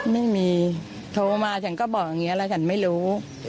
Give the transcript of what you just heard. ไม่มีโทรมาฉันก็บอกอย่างนี้แล้วฉันไม่รู้